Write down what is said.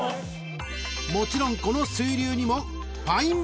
［もちろんこの水流にも］